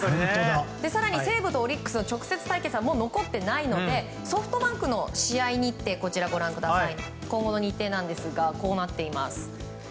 更に西武とオリックスの直接対決はもう残ってないのでソフトバンクの試合日程今後の日程ですがこうなっています。